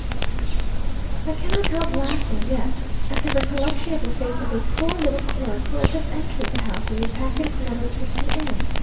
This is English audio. I cannot help laughing yet at the recollection of the face of a poor little clerk who had just entered the house with a packet of letters for C n.